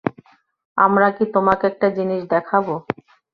আমরা কি তোমাকে একটা জিনিস দেখাব?